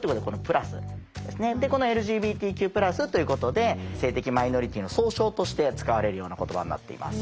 この「ＬＧＢＴＱ＋」ということで性的マイノリティーの総称として使われるような言葉になっています。